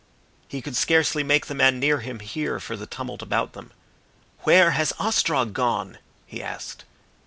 He could scarcely make the man near him hear for the tumult about them. "Where has Ostrog gone?" he asked.